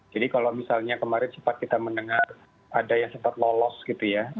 jadi kalau misalnya kemarin sempat kita mendengar ada yang sempat lolos gitu ya